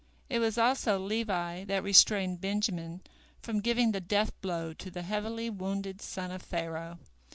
It was also Levi that restrained Benjamin from giving the death blow to the heavily wounded son of Pharaoh.